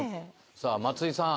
さあ松井さん。